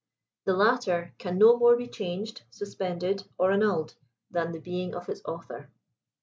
The latter can no more be changed, suspended, or annulled, than the being of its Author.